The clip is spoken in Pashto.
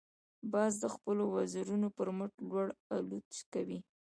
باز د خپلو وزرونو پر مټ لوړ الوت کوي